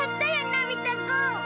のび太くん。